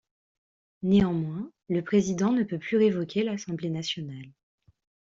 Néanmoins, le président ne peut plus révoquer l'Assemblée nationale.